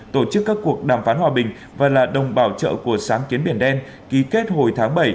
tổ chức các cuộc đàm phán hòa bình và là đồng bảo trợ của sáng kiến biển đen ký kết hồi tháng bảy